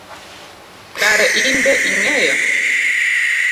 Kare inbe ing’eyo?